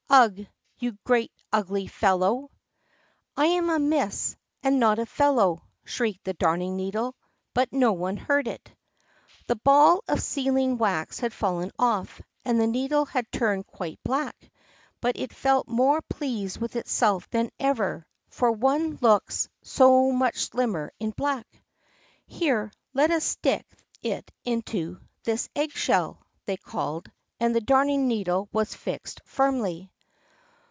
"Ugh! you great ugly fellow!" "I am a miss, and not a fellow!" shrieked the Darning needle; but no one heard it. The ball of sealing wax had fallen off, and the needle had turned quite black, but it felt more pleased with itself than ever, for one looks so much slimmer in black. "Here, let us stick it into this egg shell!" they called, and the Darning needle was fixed firmly.